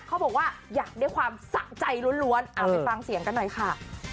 เขาบอกว่าอยากได้ความสะใจล้วนเอาไปฟังเสียงกันหน่อยค่ะ